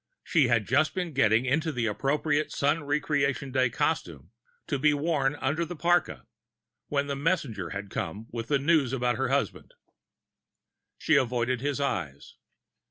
She had just been getting into the appropriate Sun Re creation Day costume, to be worn under the parka, when the messenger had come with the news about her husband. She avoided his eyes.